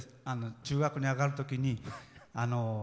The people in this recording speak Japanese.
中学に上がるときに。